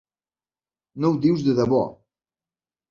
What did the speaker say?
No ho dius de debò!